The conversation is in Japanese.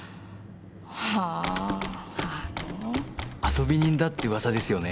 遊び人だって噂ですよね。